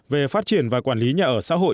về phát triển và quản lý nhà ở xã hội